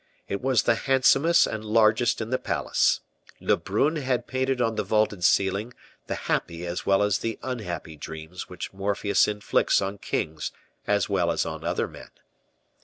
It was the handsomest and largest in the palace. Lebrun had painted on the vaulted ceiling the happy as well as the unhappy dreams which Morpheus inflicts on kings as well as on other men.